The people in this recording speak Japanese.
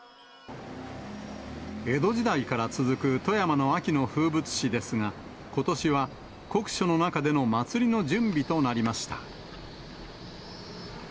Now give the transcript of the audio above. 江戸時代から続くとやまの秋の風物詩ですが、ことしは、酷暑の中での祭りの準備となりました。